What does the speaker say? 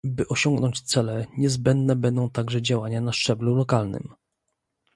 By osiągnąć cele, niezbędne będą także działania na szczeblu lokalnym